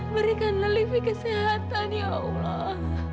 berikan livi kesehatan ya allah